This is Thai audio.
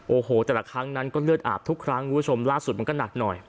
โอ้โหแต่ละครั้งนั้นก็เลือดอาบทุกครั้งคุณผู้ชมล่าสุดมันก็หนักหน่อย